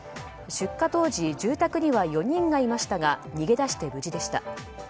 出火当時住宅には４人がいましたが逃げ出して無事でした。